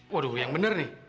waduh yang bener nih